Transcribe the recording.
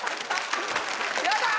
やったー！